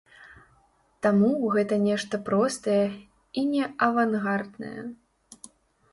Таму гэта нешта простае і неавангарднае.